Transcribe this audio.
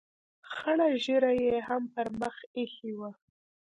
خړه ږیره یې هم پر مخ اېښې وه.